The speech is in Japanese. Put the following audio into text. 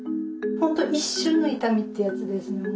本当一瞬の痛みってやつですね。